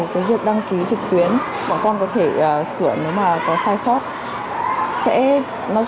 cái việc đăng ký trực tuyến bọn con có thể sửa nếu mà có sai sót sẽ